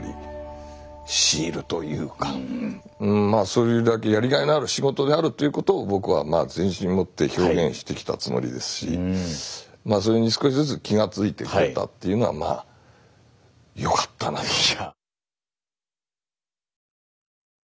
それだけやりがいのある仕事であるということを僕は全身をもって表現してきたつもりですしそれに少しずつ気がついてくれたというのはまあよかったなと。